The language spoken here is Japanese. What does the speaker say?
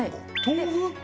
豆腐？